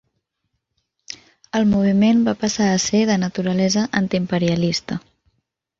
El moviment va passar a ser de naturalesa antiimperialista.